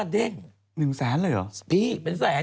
จากกระแสของละครกรุเปสันนิวาสนะฮะ